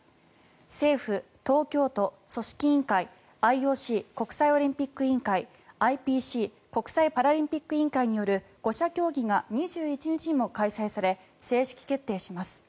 政府、東京都、組織委員会ＩＯＣ・国際オリンピック委員会ＩＰＣ・国際パラリンピック委員会による５者協議が２１日にも開催され正式決定します。